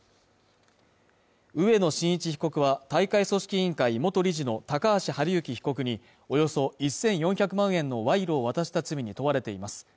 植野伸一被告は大会組織委員会元理事の高橋治之被告におよそ１４００万円の賄賂を渡した罪に問われています。